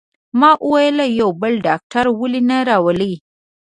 ما وویل: یو بل ډاکټر ولې نه راولئ؟